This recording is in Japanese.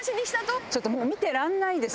ちょっともう見てらんないです。